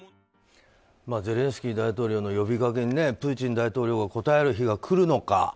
ゼレンスキー大統領の呼びかけにプーチン大統領が応える日が来るのか。